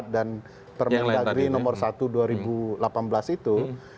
dan permendagri nomor satu dua ribu delapan belas itu